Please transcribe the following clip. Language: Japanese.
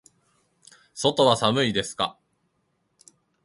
外は寒いですか。